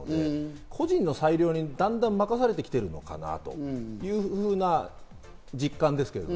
個人の裁量にだんだん任されてきているのかなというふうな実感ですけど。